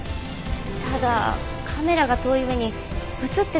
ただカメラが遠い上に映ってる人も多くて。